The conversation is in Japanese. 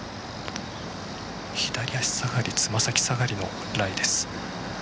左足下がり爪先下がりのライです。